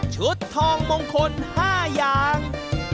ทองมงคล๕อย่าง